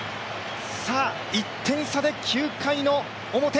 １点差で９回の表。